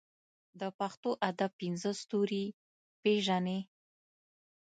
د پښتو ادب پنځه ستوري پېژنې.